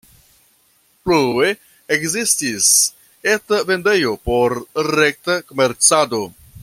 Plue ekzistis eta vendejo por rekta komercado.